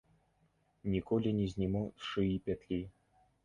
Ніколі не зніму з шыі пятлі.